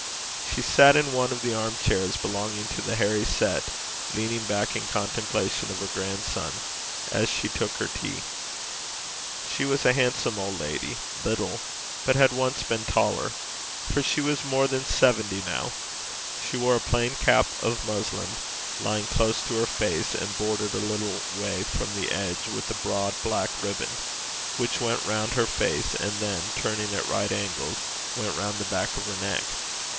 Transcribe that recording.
She sat in one of the arm chairs belonging to the hairy set, leaning back in contemplation of her grandson, as she took her tea. She was a handsome old lady little, but had once been taller, for she was more than seventy now. She wore a plain cap of muslin, lying close to her face, and bordered a little way from the edge with a broad black ribbon, which went round her face, and then, turning at right angles, went round the back of her neck.